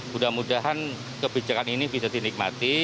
mudah mudahan kebijakan ini bisa dinikmati